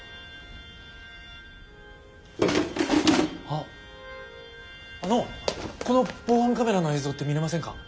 ああのこの防犯カメラの映像って見れませんか？